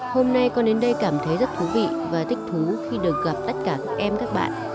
hôm nay con đến đây cảm thấy rất thú vị và thích thú khi được gặp tất cả các em các bạn